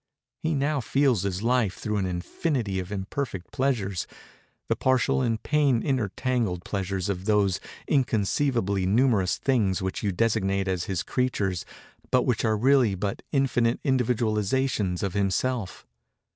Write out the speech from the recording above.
He now feels his life through an infinity of imperfect pleasures—the partial and pain intertangled pleasures of those inconceivably numerous things which you designate as his creatures, but which are really but infinite individualizations of Himself.